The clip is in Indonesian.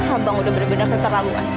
abang udah bener bener keterlaluan